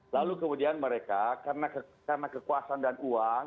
lalu kemudian mereka karena kekuasaan dan uang